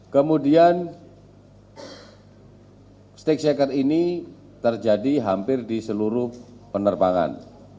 kemudian stick shaker ini terjadi hampir di seluruh penerbangan